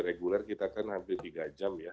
reguler kita kan hampir tiga jam ya